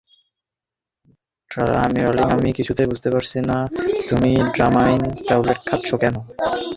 Darling, আমি কিছুতেই বুঝতে পারছি না, তুমি ড্রামামাইন ট্যাবলেট খাচ্ছ না কেন।